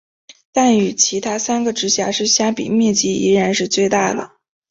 但与其他三个直辖市相比面积依然是最大的。